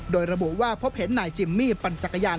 โดยระบุว่าพบเห็นนายจิมมี่ปั่นจักรยาน